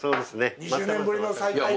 ２０年ぶりの再開で。